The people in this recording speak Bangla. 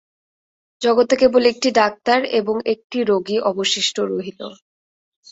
জগতে কেবল একটি ডাক্তার এবং একটি রোগী অবশিষ্ট রহিল।